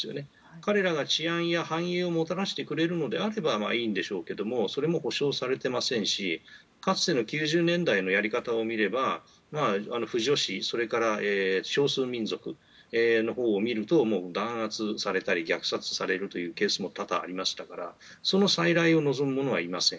彼らが治安や繁栄をもたらしてくれるのであればいいんでしょうけれどもそれも保障されていませんしかつての９０年代のやり方を見れば婦女子、少数民族のほうを見ると弾圧されたり虐殺されるというケースも多々ありましたからその再来を望むものはいません。